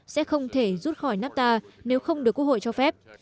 sẽ không thể rút khỏi nafta nếu không được quốc hội cho phép